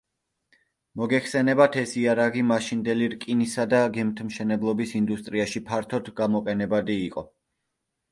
მოგეხსენებათ, ეს იარაღი მაშინდელი რკინისა და გემთმშენებლობის ინდუსტრიაში ფართოდ გამოყენებადი იყო.